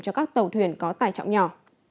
cho các tàu thuyền có tài trọng nhỏ